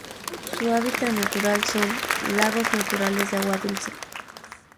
Su hábitat natural son: lagos naturales de agua dulce.